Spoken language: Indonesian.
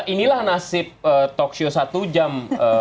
inilah nasib talkshow satu jam